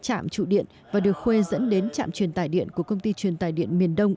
trạm trụ điện và được khuê dẫn đến trạm truyền tải điện của công ty truyền tài điện miền đông